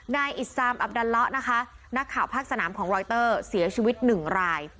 นายอิสซามอับดันละนะคะนักข่าวภาคสนามของรอยเตอร์เสียชีวิตหนึ่งราย